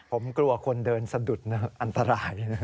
ผมกลัวคนเดินสะดุดอันตรายนะ